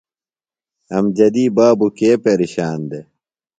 امجدی بابوۡ کے پیرشان دےۡ؟